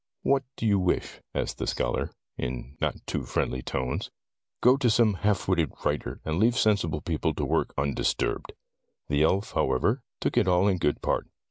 "What do you wish asked the scholar, in no too friendly tones. "Go to some half witted writer, and leave sensible people to work undisturbed." The elf, however, took it all in good part.